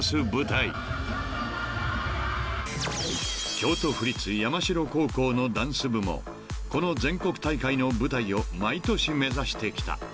［京都府立山城高校のダンス部もこの全国大会の舞台を毎年目指してきた］